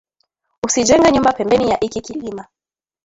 Usijenge nyumba pembeni ya iki kilima